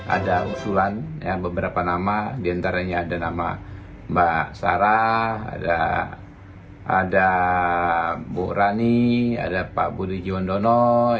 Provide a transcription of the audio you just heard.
ada usulan beberapa nama diantaranya ada nama mbak sarah ada bu rani ada pak budi jundono